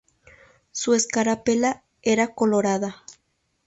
Su escarapela era colorada.